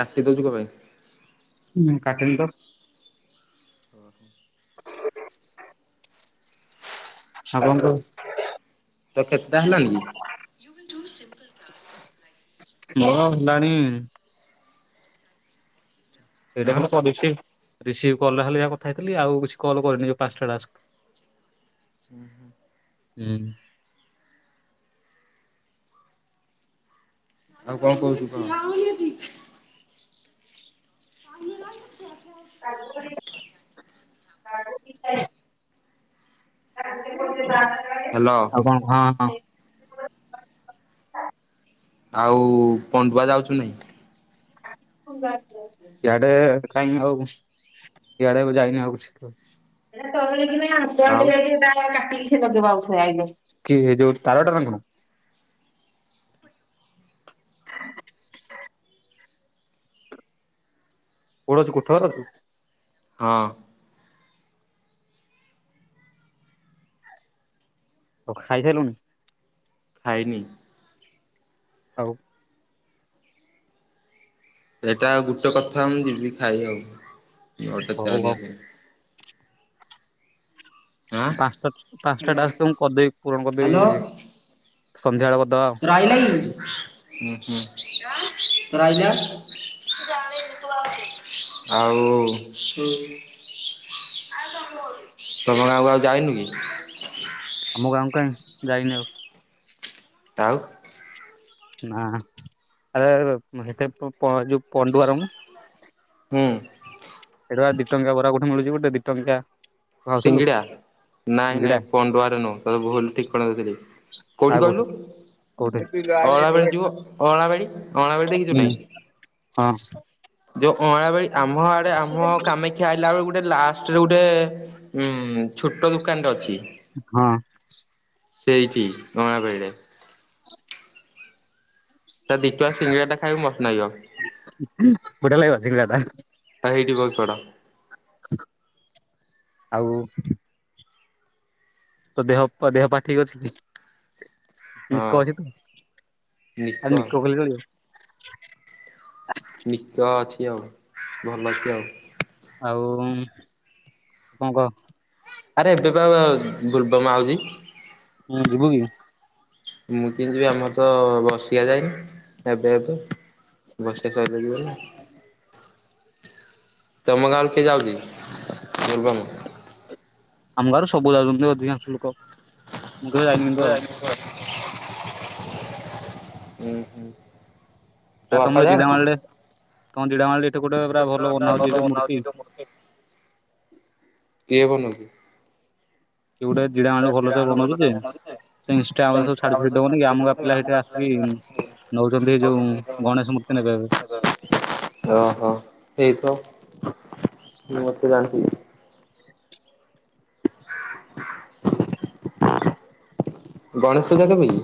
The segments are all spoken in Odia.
କାଟି ଦଉଚୁ ଣ ପାଇଁ? ନା କାଟିନି ତ। ଓ ହ। ଆପଣ ଙ୍କୁ ତ କେତେଟା ହେଲାଣି କି? ମୋର ହେଲାଣି ଏଇଟା ଆଁ [unintelligible] ରିସିଭ କଲ ଟା ଖାଲି ଯାହା କଥା ହେଇଥିଲି ଆଉ କିଛି କଲ କରିନି ଯୋଉ ପାଞ୍ଚଟା ଟାସ୍କ ହୁଁ ହୁଁ। ଉଁ ହୁଁ। ଆଉ କଣ କହୁଛୁ କହ। [inaudible] [inaudible] [inaudible] ହାଲୋ। ଆଉ କଣ ହଁ ହଁ। ଆଉ ପଣ୍ଡୁଆ ଯାଉଚୁ କି ନାଇଁ? ସିଆଡେ କାହିଁ ଆଉ ସିଆଡେ ଯାଇନି ଆଉ। ଆଉ କିଏ ଯୋଉ ତାର ଟା ତନୁ କୋଉଠି ଅଛୁ କୋଠଘରେ ଅଛୁ। ହଁ। ଓଃ ଖାଇସାଇଲୁନି? ଖାଇନି। ଆଉ ସେଟା ଗୋଟେ କଥାହଉନି ଯିବି ଖାଇବି ଆଉ ନଅଟା ହଉ ଚାରି ଆଉ ଯାକେ ଆଁ। ପାଞ୍ଚଟା ପାଞ୍ଚଟା ଟାକ୍ସ ମୁଁ କରିଦେବି ପୂରଣ ହ୍ୟାଲୋ କରିଦେବି। ସନ୍ଧ୍ୟାବେଳେ କରଦବା ଆଉ। ଉ ହୁଁ। ଆଉ ହୁଁ। ତୁ କଣ ଆଉ କୁଆଡେ ଯଇନୁ କି? ଆମ ଗାଁକୁ କାହିଁ ଯାଇନି ଆଉ। ତାଉ। ନାଁ ଆରେ ହେତେ ପହଁଚିବୁ ପଣ୍ଡୁଆ ରମୁଁ ହୁଁ। ସେଠି ଦିଟଙ୍କିୟା ବରା କୋଉଠି ଗୋଟେ ମିଳୁଛି ଗୋଟେ ଦିଟଙ୍କି ୟା ସିଙ୍ଗିଡା ନାଇଁ ସିଙ୍ଗିଡା ନାଇଁ ପଣ୍ଡୁଆରେ ନୁହଁ ଭୁଲ ଠିକଣା ଦେଇଚି। କୋଉଠି କହିଲୁ କୋଉଠି ହୁଁ ଅଁଳାବାଡ଼ି ଅଁଣାବାଡ଼ି ଅଁଣାବାଡ଼ି ଦେଖିଛୁ ନାହିଁ। ହଁ। ଯୋଉ ଅଁଳାବାଡ଼ି ଆମ ଆଡେ ଆମ କାମିକ କିଏ ଅଇଲା ବେଳକୁ ଗୋଟେ ଲାଷ୍ଟରେ ଗୋଟେ ଛୋଟ ଦୁକାନ ଟେ ଅଛି। ହଁ। ସେଇଠି ଅଳାଁ ବେଡିରେ। ତା ଦିଟଙ୍କା ସିଙ୍ଗଡା ଟା ଖାଇଵାକୁ ମସ୍ତ ଲାଗିବ। ବଢିୟା ଲାଗିବ ସିଙ୍ଗାଟା। ହେଇଠି ଗଡ଼ି ପଡ଼। ଆଉ। ତୋ ଦେହ ପା, ଦେହ ପା ଠିକ୍ ଅଛି ଟି। ହଁ ନିକୋ ଅଛି ତୁ ନିକ ଆଉ ନିକୋ ଭଳି ରହିବୁ। ନିକ ଅଛି ଆଉ ଭଲ ଅଛି ଆଉ। ଆଉ କଣ କହ? ଆରେ ଏବେ ବୋଲବମ ଆଉ ଚି। ହଁ ଯିବୁକି? ମୁଁ କେମିତି ଯିବି ଆମର ତ ବାର୍ଷିକୀୟା ଯାଇନି ଏବେ ଏବେ, ବର୍ଷେ ସଇଲେ ଯିବ ନା। ତମ ଗାଁ ରୁ କିଏ ଯାଉଚି ବୋଲବମ୍,? ଆମ ଗାଁରୁ ସବୁ ଯାଉଛନ୍ତି ଅଧିକାଂଶ ଲୋକ। ମୁଁ କେବେ ଯାଇନି କିନ୍‌ ମୁଁ ଯାଇନି କିନ୍ତୁ ଘର। ହୁଁ ହୁଁ। ତୋ ଆରେ ବାପା ତମ ଏ ଯାଆନ୍ତି? ଜିଡାମାଳି ରେ ତମ ଜିଡାମାଳି ରେ ଏଇଟେ କୋଟେ ପରା ଭଲ ବନା ହଉଛି ଯୋଉ ମୂର୍ତ୍ତି। କିଏ ବନଉଚି। କିଏ ଗୋଟେ ଯୋଟା ଜିଡାମାଳିରୁ ଭଲସେ ଜିଡାମାଳି ର ଭଲ ବନଉଛି ସେ ଯେ ବନଉଚି କିଏ। ସେ ଇନଷ୍ଟା ଆମର ସବୁ ଛାଡି ଛୁଡି କୌଣସି ପିଲା ଆମର [unintelligible] ଦବନି କି ଆମ ପିଲା ସେଠି ଆସିକି ନଉଛନ୍ତି ଏଇ [unintelligible] ଯୋଉ ଗଣେଶ ମୂର୍ତ୍ତି ନେବେ ଏବେ। ଓହୋ ସେଇ ତ ମୁଁ ମତେ ଜାଣିଛି। ଗଣେଶ ପୂଜା କେବେ କି?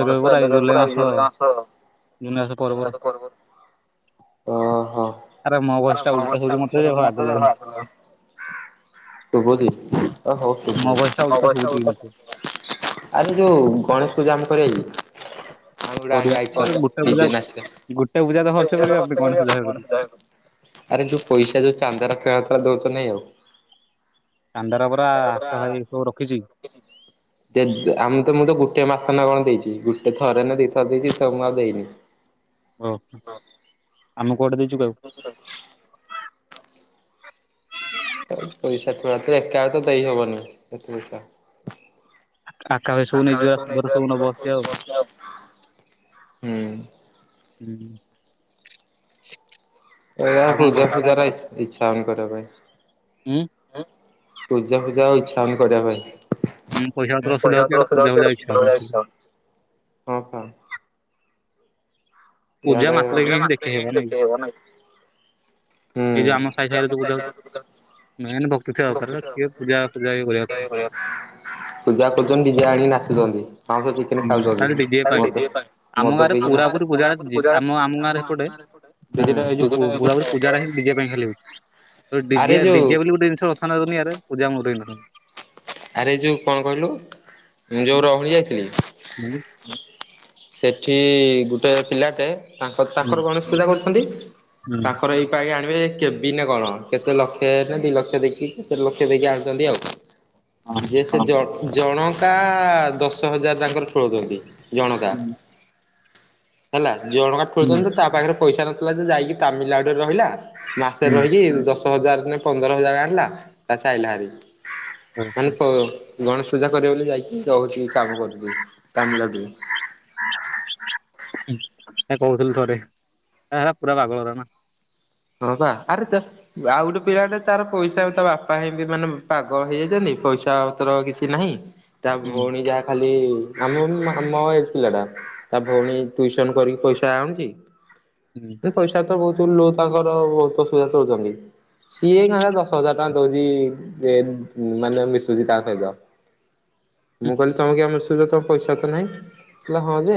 ଗଣେଶ ପୂଜା ଏବେ ପା ପୁରା ଏଇ ଜୁଲାଇ ମାସ ଜୁଲାଇ ମାସ ପରେ ପରେ। ଓହୋ ଭଏସ ଆରେ ମୋ ଉଲଟା ବସ୍ ହଉଛି ଟା ମତେ ଯେ ରାଗ ଲାଗୁନି [unintelligible] ସୁବୁଚି ଆ ହଉ ମୋ ଭଏସ ସୁବୁଚି ଟା ହଉ ଉଲଟା ହଉ ଆଛା ଶୁଭୁଛି ମତେ। ଅଉ ଆରେ ଯୋଉ ଗଣେଶ ପୂଜା ଆମ କରିବା କି? ଆମେ ଗୋଟେ କରିବା ଆଣି ଆରେ ଆଇଚି ଗୋଟେ ପୂଜା ନିଜେ ନାଚ ଏ ଗୋଟେ ତ ଭଲସେ ପୂଜା କରିବା ପର୍ବ ଆମେ ଖର୍ଚ୍ଚ ଗଣେଶ କରିଆ ପୂଜା କି କରିବା। କଣ। ଆରେ ଯୋଉ ପଇସା ଯୋଉ ଚାନ୍ଦାର ଖେଳ ଖେଳ ଦଉଛ ନାଇଁ ଆଉ। ଚାନ୍ଦା ଟା ପୁରା ହାତ ଭାଙ୍ଗି କି ପୁର ରଖିଛି। ଯେ ଆମ ତ ମୁ ତ ଗୋଟେ ମା ଥରେ ନା କଣ ଦେଇଛି ଗୋଟେ ଥରେ ନା ଦିଥର ଦେଇଛି ସବୁ ମାସ ଦେଇନି। ହଁ ଆମେ କୋଉଟେ ଦେଇଛୁ କି ଆଉ। ହ [unintelligible] ପଇସା ୁରେ ଏକା ତ ଦେଇ ହବନି ଏତେ ପଇସା ଆକା ଭାଇ ସବୁ ନେଇଯିବା ସୁଧର ସବୁ ନବ ସିଏ [unintelligible] ଆଉ। ହୁଁ ହୁଁ। ଏଇ ଆଉ କଣ କହ ପୂଜା ଫୂଜା ଇଚଛା ହଉନି କରିବା ପାଇଁ। ହୁଁ ପୂଜା ଫୂଜା ଆଉ ଇଚ୍ଛା ଆମେ କରିବା ଉଁ ପଇସା ପାଇଁ। ପତ୍ର ଅସୁବିଧା ପସା ହଉଛି ଇଆଡେ ଔଷଧ ପୂଜା ଫୂଜା ହିଟ ଇଚ୍ଛା ହଉନି। ଫୁଳଆଇ। ପୂଜା ଇଆଡେ ମାତ୍ର ବି ହିଁ ଦେଖେଇହବ ନାଇ ଏଇ ଯୋଉ ଆମ ହୁଁ ସାାଇ ସାହିରେ ମ ଭକ୍ତି ଥିବା ଦର ସଏ ପୂଜା ଫୂଜା କରିବା। ପୂଜା କରୁଛନ୍ତି ଜେ ଆଣିକି ନାଚୁଛନ୍ତି। ପାଁଶ ଚିକେନ କଥା ଖାଲି ଡିଜେ ପାଇଁ। ଖାଉଛନ୍ତି ଆମ ମଦ ଗାଁରେ ପିଇ ପୁରା ପୁରି ପୂଜା - [unintelligible] ଆମ ଆମ ଗାଁରେ ସେପଟେ ଡିଜେଟା ଏଇ ଯୋଉ ଡିଜି ଡିଜିଆ ବୋଲି ଗୋଟେ ଜିନିଷ ରଥା ଦୁନିଆ ଆରେ ପୂଜା ମ ଆରେ ଯୋଉ କଣ କହିଲୁ ମୁଁ ଯୋଉ ହୁଁ ରହୁଳି ଯାଇଥିଲି। ହୁଁ। ସେଠି ଗୋଟେ ପିଲାଟେ ତାଙ୍କ ତାଙ୍କର ଗଣେଶ ପୂଜା କରୁଛନ୍ତି ହଁ ତାଙ୍କର ଏଇପ ଆଗେ ଆଣିବେ କେବି ନା କଣ? କେତେ ଲକ୍ଷ ନା ଦି ଲକ୍ଷ ଦେଇକି କେତେ ଲକ୍ଷ ଦେଇକି ଆଣୁଛନ୍ତି ଆଉ। ଯେ ସେ ଜଣକା ଦଶ ହଜାର ତାଙ୍କର ଠୋଳଉଛନ୍ତି ଜଣକା। ହୁଁ। ହେଲା ଜୋଅକା ହୁଁ ଖୋଳୁଛନ୍ତି ତା ପାଖରେ ପଇସା ନଥିଲା ଯେ ଯାଇକି ତାମିଲନାଡୁରେ ରହିଲା। ମାସରେ ହୁଁ ରହିକି ଦଶ ହଜାର ନେ ପନ୍ଦର ହଜାର ଆଣିଲା [unintelligible] ଆଇଲା ଭାରି। ମାନେ ଗଣେଶ ପୂଜା କରିବ ବୋଲି ଯାଇକି ରହୁଛି କାମ କରଦି ତାମିଲଡୁ। କହୁଥିଲି ଥରେ ହେଲା ପୁରା ପାଗଳଗରା ନା। ହଉ ବା ଆର ତ ଆଉ ଗୋଟେ ପିଲା ଗଟେ ତାର ପଇସା ତା ବାପା ହେ ମାନେ ପାଗଳ ହେଇଯାଇଛନି ପଇସାର କିଛି। ନାହିଁ ତା ହୁଁ ଭଉଣୀ ଯାହା ଖାଲି ଆମ ଆମ ଏଜ ପିଲା ଟା ତା ଭଉଣୀ ଟ୍ୟଉସନ କରିକି ପଇସା ଆଣୁଛି। ହୁଁ। ପଇସା ତ ବହୁତ ଲ ତାଙ୍କର ବହୁତ ଅସୁବିଧା ଚଳୁଛନ୍ତି। ସିଏ କାତା ଦଶ ହଜାର ଟଙ୍କା ଦଉଛି ମାନେ ମିଶୁଛି ତା ସହିତ। ମୁଁ କହିଲି ତମ କିଆଁ ମିସୁଚ ତମ ପଇସା ପତର ନହିଁ। ହେଲେ ହଁ ଯେ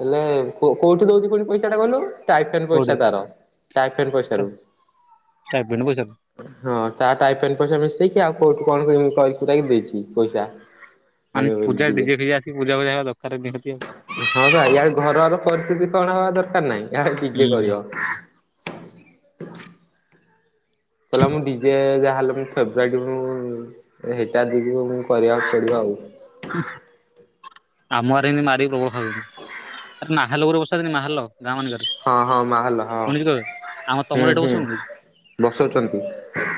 ହେଲେ କୋଉଠି ଦଉଛି ପୁଣି ପଇସା ଟା କଲୁ ଟାଇଫେନ୍ କୋଉଠି ପଇସା ତାର। ତାଇଫେନ ପଇସା ରୂ। ଷ୍ଟାଇପେଣ୍ଡ ପଇସା ହଁ ତା ଟାଇପଣ୍ଡ ପଇସା ମିଶେଇକି ଆଉ କୋଉଠୁ କଣ ଦେଇଛି ପଇସା। ମାନେ ଆଣିବ ପୂା ବୋଲି ଡିଜେ ଖଜି ଆସି ପୂଜା ପଜାବା ଦରକାର ଦିଅ ଆଉ। ହଁ ବା ଇଆଡେ ଘରର ପରିସ୍ଥିତି କଣ ହବା ଦରକାର ନାହିଁ ଇଏଆଡେ ହୁଁ ଡିଜେ କରିବ। କହିଲା ମୁଁ ଡିଜେ ଯାହେଲେ ମୁଁ ଫେବ୍ରାଇଟ ମୁଁ ଏ ସେଇଟା [unintelligible] କରିବାକୁ ପଡିବ ଆଉ। ହୁଁ ଆମ ଆଡେ ଏମିତି ମାରିକି ଲୋକ ଖାଉଚନ୍ତି, ଆରେ ମାହାଲ ଉପରେ ବର୍ଷାଦିନେ ମାହାଲ। ଗାଁ ମାନଙ୍କରେ ହଁ ହଁ ମାହଲ ହଁ ଶୁଣିଚୁ କେବେ? ଆମ ତମର ଏଇଟି କ [unintelligible] ବସଉଚନ୍ତି।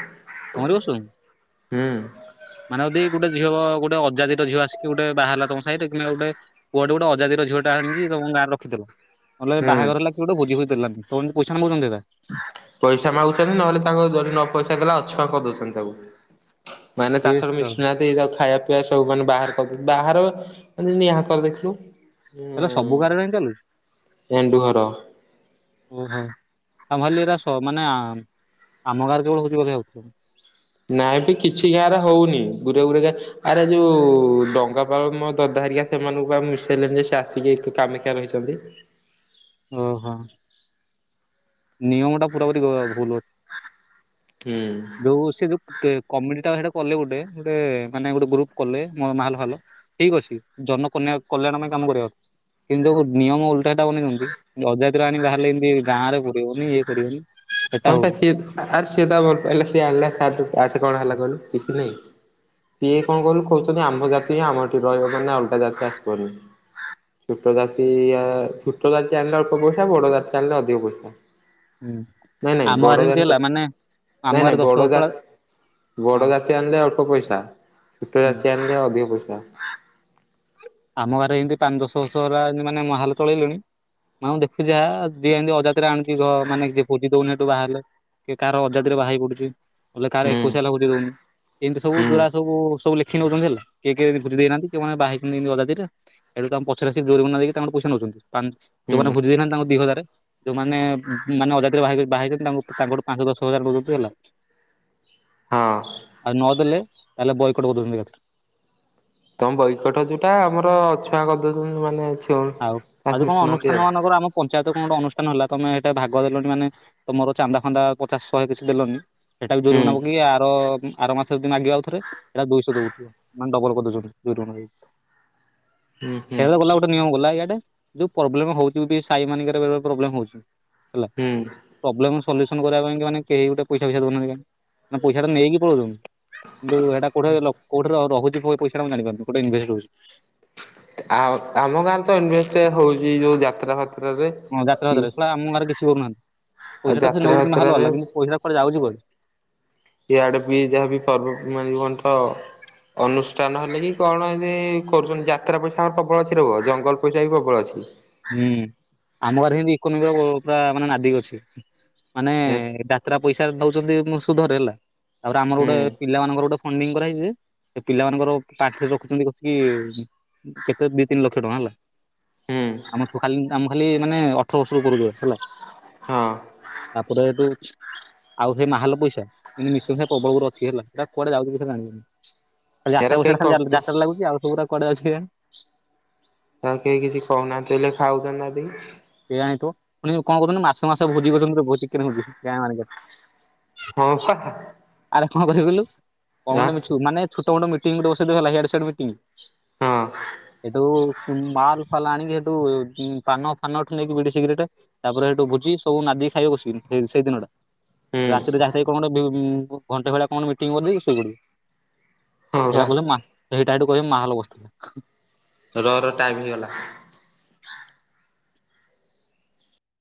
ତମର ବି ବସଉ ମାନେ ଯଦି ଗୋଟେ ଝିଅ ଗୋଟେ ଅଜାଦି ଝିଅ ଆସିକି ଗୋଟେ ବାହାହେଲା ତମ ସାହିରେ କିମ୍ବା ଗୋଟେ ପୁଅଟେ ଗୋଟେ ଅଜାତିର ଝଅଟା ଆଣିକି ତମ ଗଁରେ ରଖିଦେଲା। ନହେଲେ ହୁଁ। ବାହାଘର ହେଲା [unintelligible] ପଇସା ମାଗୁଛନ୍ତି ନହେଲେ ତାକୁ ଯଦି ନ ପଇସା ଦେଲା ଅଛୁଆଁ କରିଦଉଚନ୍ତି ତାକୁ। ମାନେ ବେଶ୍ ତାଙ୍କର ତ ମିଶୁନାହାନ୍ତି ତାକୁ ଖାଇବା ପିଆ ସବୁମାନେ ବାହାର କରି ବାହାର ଯେମିତି ଆଙ୍କର ଦେଖିଲୁ ଏରା ହୁଁ ସବୁ ଗାଁରେ କାଇଁ ଚାଲୁଛି? ଏଣ୍ଡୁ ହର। ଓହୋ ଆମେ ଭାବିଲୁ ଏଇରା ସ ମାନେ ଆମ ଗାଁରେ କେବଳ ଭୋଜି ବୋଧେ ହଉଚି। ନାଇଁବି କିଛି କାହାର ହଉନି ଗୋରେ ଗୋରେକା। ଆରେ ଯୋଉ ଡଙ୍ଗା ପାଳ ମୋ ଦଦା ହେରିକା ସେମାନଙ୍କୁ ଆମେ ମିଶେଇଲେନି ଯେ ସେ ଆସିକି କାମେ କା ରହିଚନ୍ତି। ଓହୋ। ନିୟମଟା ପୁରାପୁରି ଭ ଭୁଲ୍ ଅଛି। ହୁଁ। ଯୋଉ ସେ ଯୋଉ କେ କମିଟି ଟା ହେଟା କଲେ ଗୋଟେ-ଗୋଟେ ମାନେ ଗୋଟେ ଗ୍ରୁପ କଲେ ମ ମାହଲ ଫାହଲ। ଠିକ୍ ଅଛି ଜନକନ୍ୟା କଲ୍ୟାଣ ପାଇଁ କାମ କରିବା। କିନ୍ତୁ ନିୟମ ଉଲଟାଟା ବନେଇଛନ୍ତି ଅଜାତିରେ ଆଣିକି ବାହାହେଲେ ଏମିତି ଗାଁରେ କରିବନି ଇଏ କରିବନି। ସେଟା ହଁ ପା ହଉନି ସିଏ ଆରେ ସିଏ ତା ଭଲପାଇଲା ସିଏ ଆଣିଲା [unintelligible] କଣ ହେଲା କହିଲୁ କିଛି ନାଇଁ। ସିଏ କଣ କଲୁ କହୁଛନ୍ତି ଆମ ଜାତି ଆମ ଏଠି ରହିବ ମାନେ ଅଲଗା ଜାତି ଆସିିବନି। ଛୋଟ ଜାତି ଆ ଛୋଟ ଜାତି ଆଣିଲେ ଅଳ୍ପ ପଇସା ବଡ ଜାତି ଆଣିଲେ ଅଧିକ ପଇସା। ହୁଁ। ନାଇଁ-ନାଇଁ ଆମ ଗାଁରେ ବଡ଼ ଏମିତି ଜାତି ହେଲା ମାନେ ଆମ ଗାଁରେ ନାଇଁ-ନାଇଁ ଦଶ ବଡ ବର୍ଷ ଜାତ୍ ହଁ ବଡ ଜାତ୍ ସେ ଆଣିଲେ ଅଳ୍ପ ପଇସା ଛୋଟ ହୁଁ ଜାତି ଆଣିଲେ ଅଧିକ ପଇସା। ଆମ ଗାଁରେ ଏମିତି ପାଞ୍ଚ ଦଶବର୍ଷ ହେଲା ମାନେ ମହାଲ ଚଳେଇଲେଣି। ହଁ ମୁଁ ଦେଖୁଚି ଯାହା ଯିଏ ଏମିତି ଅଜାତିରେ ଆଣୁଛି ଘ ମାନେ ଯିଏ ଭୋଜି ଦଉନି ଏଠୁ ବାହାହେଲେ କିଏ କାହାର ଅଜାତିରେ ବାହା ହେଇ ପଡୁଚି ନହେଲେ କାହାର ହୁଁ ଏକୋଇଶିଆ ହେଲା ଭୋଜି ଦଉନି ଏମିତି ସବୁ ହୁଁ ଯୋଉରା ସବୁ-ସବୁ ଲେଖି ନଉଚନ୍ତି ହେଲା, କିଏ-କିଏ ଭୋଜି ଦେଇନାହାନ୍ତି କେଉଁମାନେ ବାହା [unintelligible] ହେଡୁ ତମ ପଛରେ ଆସି ଜୋରିମାନା ଦେଇକି ତାଙ୍କଠୁ ପଇସା ନଉଚନ୍ତି। ଯୋଉମାନେ ହୁଁ ଭୁଜି ଦେଇନାହାନ୍ତି ତାଙ୍କୁ ଦି ହଜାରେ। ଯୋଉମାନେ ମାନେ ଅଜାତିରେ ବାହା ବାହାହେଇଚନ୍ତି ତାଙ୍କୁ ତାଙ୍କଠୁ ପାଞ୍ଚ ଦଶ ହଜାର ନଉଚନ୍ତି ହେଲା। ହଁ। ଆଉ ନ ଦେଲେ ତାହଲେ ବୟ କଟ୍ କରିଦଉଚନ୍ତି ଏକାଥେରେ। ତମ ବୟକଟ ଯୋଉଟା ଆମର ଅଛୁଆଁ କରିଦଉଛନ୍ତି ମାନେ ଛୁଉଁ ଆଉ-ଆଉ ତାକୁ ଯୋଉ କଣ ମିଶୁନାହାନ୍ତି ଅନୁଷ୍ଠାନ ଆଉ ମାନଙ୍କର ଆମ ପଞ୍ଚାୟତରେ କଣ ଗୋଟେ ଅନୁଷ୍ଠାନ ହେଲା ତମେ ହେଟେ ଭାଗ ଦେଲନି ମାନେ ତମର ଚାନ୍ଦା ଫାନ୍ଦା ପଚାଶ ଶହେ କିଛି ଦେଲନି ସେଟା ବି ହୁଁ ଜୋରିମନା ପକେଇ ଆର-ଆର ମାସରେ ଯଦି ମାଗିବେ ଆଉଥରେ ହେଟା ଦୁଇଶ [unintelligible] ମାନେ ଡବଲ କରିଦଉଛନ୍ତି। ଜୋରିମାନା ଦଉ, ହୁଁ ହୁଁ ଏବେ ଗଲା ଗୋଟେ ନିୟମ ଗଲା ଇଆଡେ ଯୋଉ ପ୍ରୋବ୍ଲେମ ହଉଚି ସାଇ ମାନଙ୍କରେ ପ୍ରବ୍ଲେମ ହଉଚି ହେଲା ହୁଁ। ପ୍ରୋବ୍ଲେମ ସଲ୍ୟୁସନ କରିବା ପାଇଁ କି ମାନେ କେହି ଗୋଟେ ପଇସା ପଇସା ଦଉନାହାନ୍ତି କାଇଁ ମାନ ପଇସାଟା ନେଇକି ପଳଉଚନ କିନ୍ତୁ ହେଟା କୋଉଠେ ଲ କୋଉଠେରେ ରହୁଛି ପଇସାଟା ମୁଁ ଜାଣିପାରୁନି କୋଉଠି ଇନଭେଷ୍ଟ ହଉଚି। ଆ ଆମ ଗାଁରେ ତ ଇନଭେଷ୍ଟ ହଉଚି ଯୋଉ ଯାତ୍ରା ଫାତ୍ରାରେ। ହଁ ଯାତ୍ରା କି କତିରେ ସଳା ଆମ ଗାଁରେ କିଛି କରୁ ନାହାନ୍ତି ଆଉ ପଇସାଟା ସେ ଯାତ୍ରା ନଉଜିତି ମହାଲ ଫାତ୍ରାରେ ବାଲା କିନ୍ତୁ ପଇସାଟା କୁଆଡେ ଜାଉଛି କୁଆଡେ। ଇଆଡେ ବି ଯାହାବି ପର୍ବ ମାନେ କନ ତ। ଅନୁଷ୍ଠାନ ହେଲେ କି କଣ ଇନ୍ଦି କରୁଛନ୍ତି ଯାତ୍ରା ପଇସା ଆମର ପ୍ରବଳ ଅଛି ରୁହ ଜଙ୍ଗଲ ପଇସା ବି ପ୍ରବଳ ଅଛି। ହୁଁ ଆମ ଘରେ ହିନ୍ଦି ଇକୋନୋମି ର ପୁରା ମାନେ ନାଦିକି ଅଛ। ହେ ମାନେ-ଏ ଡାକରା ପଇସାରେ ନଉଛନ୍ତି ସୁଧରେ ହେଲା, ଆଉ ଆମର ଗୁଡେ ହୁଁ ପିଲାମାନାନଙ୍କର ଗୋଟେ ଫଣ୍ଡିଙ୍ଗ୍ କରାହେଇଛି ଯେ, ଏ ପିଲାମାନଙ୍କର ପାଠ୍ ରେ ରଖୁଛନ୍ତି କସିକି କେତେ ଦି, ତିନି ଲକ୍ଷ ଟଙ୍କା ହେଲା। ହୁଁ ଆମଠୁ ଖାଲି ଆମ ଖାଲି ମାନେ, ଅଠର ବର୍ଷରୁ ଉପରକୁ ହେଲା। ହଁ ତା'ପରେ ହେଟୁ ଆଉ ହେ ମାହାଲ ପଇସା ଯିଁତି, ମିଶ ସା ପ୍ରବଳ କଉଠି ଅଛି ହେଲା, ହେଟାକୁଆଡେ ଯାଉଛି ପଇସା ଜାଣି ହଉନି? ଆଉ ହେରା ଯାତ୍ରା ପଇସା କେହି ଟା ଖାଲି କମ୍ପି ଯା-ଯାତ୍ରାରେ ଲାଗୁଛି, ଆଉ ସବୁୁରା କୁଆଡେ ଯାଉଛି କେଜାଣି? ତ କେହି କିଛି କହୁନାହାଁନ୍ତି ହେଲେ, ଖାଉଛନ୍ତି ନାଦିକି। ସେଆ ହେଇଁଥିବ। ପୁଣି କଣ କହୁଛନ୍ତି, ମାସ ମାସ ଭୋଜି କରୁଛନ୍ତିୁ, ଚ ଭୋଜି [unintelligible] ଗାଁ ମାନଙ୍କରେ ହଁ, ପା। ଆରେ କଣ କରିବୁ କହିଲୁ? କଣ ଆଁ ଟେ ମିଛୁ, ମାନେ ଛୁଟ ମୁଟ ମିଟିଂ ଗୁଟେ ବସେଇ ଦେବେ ହେଲା, ହେଆଡୁ ସେୟାଡୁ ମିଟିଂ ହଁ ହେଠୁ କୁନ୍ ମାଲ୍ ଫାଲ୍ ଆଣିକି ତୁ ପାନ ଫାନଠୁ ନେଇକି ବିଡି ସିଗରେଟେ- ତା'ପରେ ହେଇଠୁ ଭୁଜି, ସବୁ ନାଦି ଖାଇବେ କସିକିନି, ହେଇ ସେଇ ଦିନଟା। ହୁଁ ରାତିରେ ଯାହାଥାଇକି କଣ ଗୋଟେ, ଭି-ଉଁ ଘଣ୍ଟେ ଭଳିଆ କଣ ମିଟିଂ କରିଦେଇକି ଶୋଇପଡ଼ିବୁ। ହଁ ହେଇଟା ବା କୁହିବେ ମା! ହେଇଟା ହେଟୁ କହିବେ ମାହୋଲ ବସିଥିଲା। ର ର ଟାଇମ୍ ହେଇଗଲା।